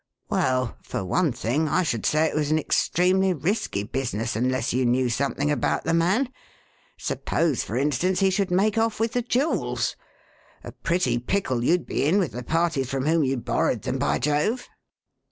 "Well, for one thing, I should say it was an extremely risky business unless you knew something about the man. Suppose, for instance, he should make off with the jewels? A pretty pickle you'd be in with the parties from whom you borrowed them, by Jove!"